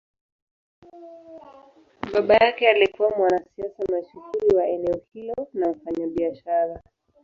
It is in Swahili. Baba yake alikuwa mwanasiasa mashuhuri wa eneo hilo na mfanyabiashara.